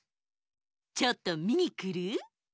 ちょっとみにくる？